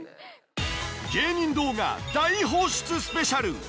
芸人動画大放出スペシャル。